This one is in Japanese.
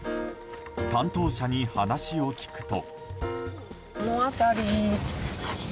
担当者に話を聞くと。